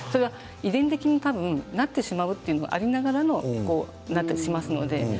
遺伝的になってしまうというのがありながらなったりします。